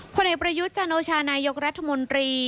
ผลเอกประยุทธ์จันโอชานายกรัฐมนตรี